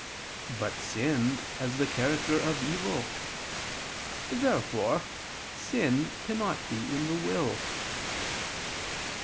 But sin has the character of evil. Therefore sin cannot be in the will.